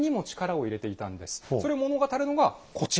それを物語るのがこちら。